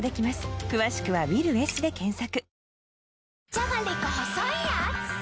じゃがりこ細いやーつ